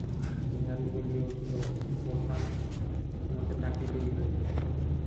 বিহারী বলিয়া উঠিল, বোঠান, তোমাকে থাকিতেই হইবে।